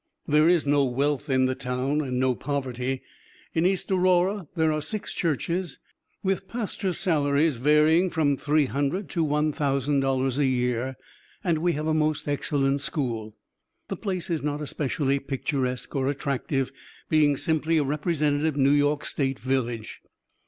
There is no wealth in the town and no poverty. In East Aurora there are six churches, with pastors' salaries varying from three hundred to one thousand dollars a year; and we have a most excellent school. The place is not especially picturesque or attractive, being simply a representative New York State village.